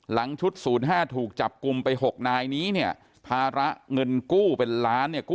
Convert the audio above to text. ชุด๐๕ถูกจับกลุ่มไป๖นายนี้เนี่ยภาระเงินกู้เป็นล้านเนี่ย